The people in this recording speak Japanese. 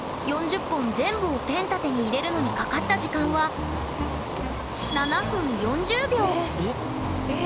４０本全部をペン立てに入れるのにかかった時間はえ